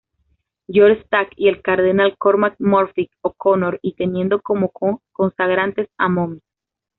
George Stack y el cardenal Cormac Murphy-O'Connor y teniendo como co-consagrantes a Mons.